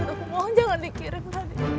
aku mohon jangan dikirim saja